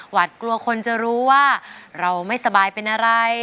วัดกลัวคนจะรู้ว่าเราไม่สบายเป็นอะไร